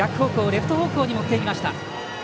レフト方向に持っていきました。